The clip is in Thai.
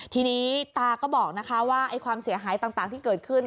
ทีนี้ตาก็บอกนะคะว่าความเสียหายต่างที่เกิดขึ้น